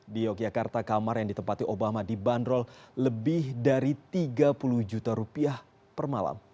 di yogyakarta kamar yang ditempati obama dibanderol lebih dari tiga puluh juta rupiah per malam